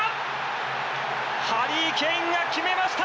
ハリー・ケインが決めました！